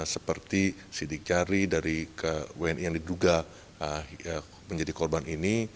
seperti sidik jari dari wni yang diduga menjadi korban ini